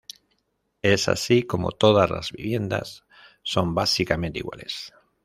Es así como todas las viviendas son básicamente iguales.